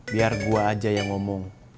biar gue aja yang ngomong